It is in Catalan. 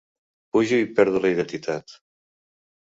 Pujo i perdo la identitat.